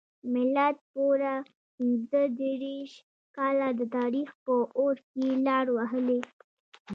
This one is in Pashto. ملت پوره پنځه دیرش کاله د تاریخ په اور کې لار وهلې.